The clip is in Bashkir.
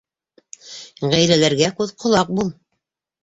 Ғаиләләргә күҙ-ҡолаҡ бул.